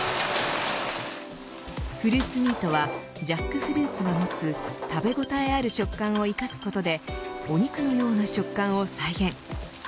フルーツミートはジャックフルーツが持つ食べ応えある食感を生かすことでお肉のような食感を再現。